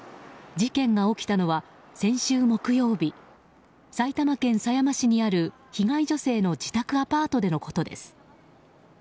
事件が起きたのは先週木曜日埼玉県狭山市にある被害女性の自宅アパートでのことです。